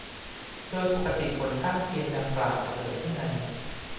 โดยปกติผลข้างเคียงดังกล่าวจะเกิดขึ้นใน